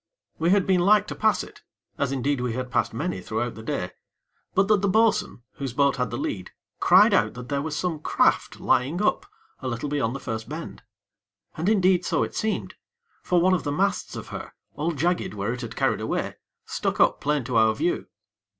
We had been like to pass it as, indeed, we had passed many throughout the day but that the bo'sun, whose boat had the lead, cried out that there was some craft lying up, a little beyond the first bend. And, indeed, so it seemed; for one of the masts of her all jagged, where it had carried away stuck up plain to our view.